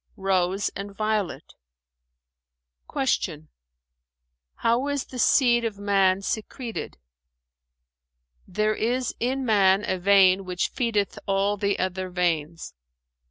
"Rose and Violet." Q "How is the seed of man secreted?" "There is in man a vein which feedeth all the other veins.